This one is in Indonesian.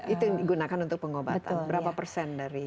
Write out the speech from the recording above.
itu yang digunakan untuk pengobatan berapa persen dari